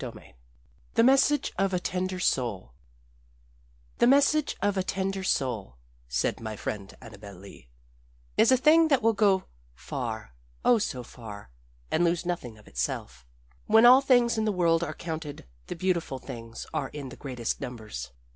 XXII THE MESSAGE OF A TENDER SOUL "The message of a tender soul," said my friend Annabel Lee, "is a thing that will go far, oh, so far, and lose nothing of itself. "When all things in the world are counted the beautiful things are in the greatest numbers.